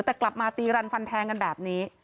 แต่กลับมาตีรันฟันแทงกันแบบนี้